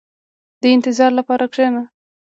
• د انتظار لپاره کښېنه.